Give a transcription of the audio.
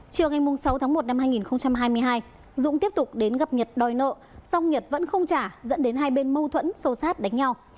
chiều ngày sáu tháng một năm hai nghìn hai mươi hai dũng tiếp tục đến gặp nhật đòi nợ song nhật vẫn không trả dẫn đến hai bên mâu thuẫn sô sát đánh nhau